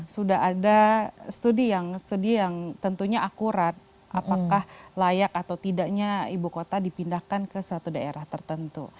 sudah ada studi yang tentunya akurat apakah layak atau tidaknya ibu kota dipindahkan ke satu daerah tertentu